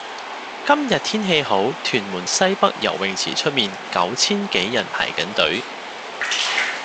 今日天氣好，屯門西北游泳池出面九千幾人排緊隊。